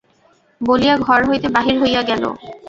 বলিয়া ঘর হইতে বাহির হইয়া গেল।